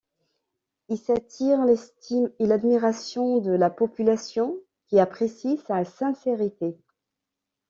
Il s'attire l'estime et l'admiration de la population qui apprécie sa sincérité.